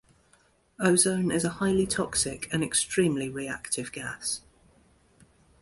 Ozone is a highly toxic and extremely reactive gas.